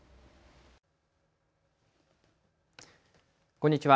こんにちは。